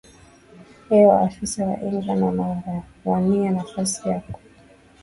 e wa afisa wa england wanaowania nafasi ya ku